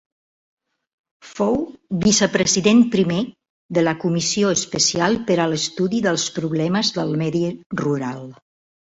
Fou vicepresident primer de la comissió especial per a l'estudi dels problemes del medi rural.